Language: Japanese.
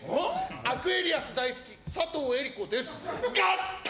アクエリアス大好き佐藤江梨子です。